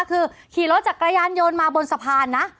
คือขี่รถจักรยานโยนมาบนสะพานนะ